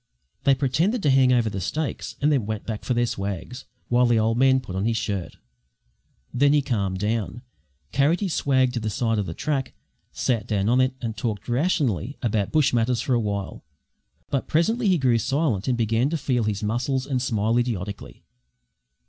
They pretended to hand over the stakes, and then went back for their swags, while the old man put on his shirt. Then he calmed down, carried his swag to the side of the track, sat down on it and talked rationally about bush matters for a while; but presently he grew silent and began to feel his muscles and smile idiotically.